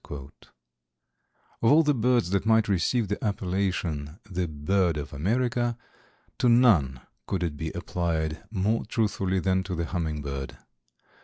Of all the birds that might receive the appellation, "The Bird of America," to none could it be applied more truthfully than to the Hummingbird.